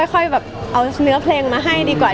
ค่อยแบบเอาเนื้อเพลงมาให้ดีกว่า